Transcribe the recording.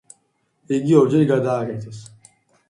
იგი ორჯერ გადააკეთეს.